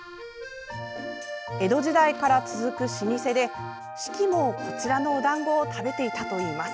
江戸時代から続く老舗で子規も、こちらのお団子を食べていたといいます。